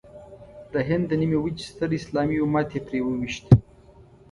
د هند د نیمې وچې ستر اسلامي امت یې پرې وويشت.